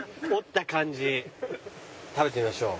食べてみましょう。